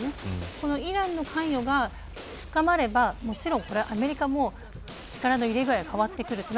このイランの関与が深まればアメリカも力からの入れ具合が変わってきます。